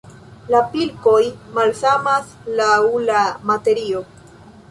La pilkoj malsamas laŭ la materio.